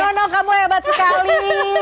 nono kamu hebat sekali